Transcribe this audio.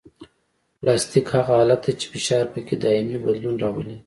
پلاستیک هغه حالت دی چې فشار پکې دایمي بدلون راولي